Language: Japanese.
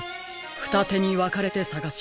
ふたてにわかれてさがしましょう。